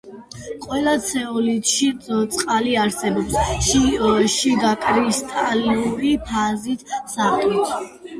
ყველა ცეოლითში წყალი არსებობს შიგა კრისტალური ფაზის სახით.